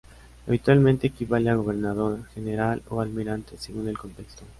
Habitualmente equivale a gobernador, general o almirante, según el contexto.